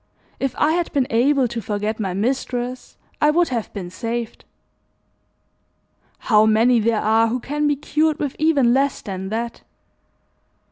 If I had been able to forget my mistress I would have been saved. How many there are who can be cured with even less than that.